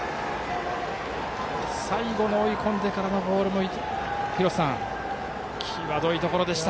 最後の追い込んでからのボールも廣瀬さん、際どいところでした。